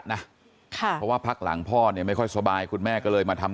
นะค่ะเพราะว่าพักหลังพ่อเนี่ยไม่ค่อยสบายคุณแม่ก็เลยมาทำ